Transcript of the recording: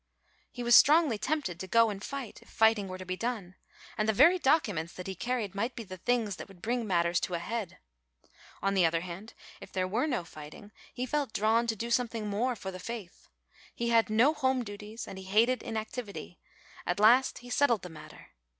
He was strongly tempted to go and fight, if fighting were to be done, and the very documents that he carried might be the things that would bring matters to a head. On the other hand if there were no fighting he felt drawn to do something more for the faith. He had no home duties and he hated inactivity. At last he settled the matter.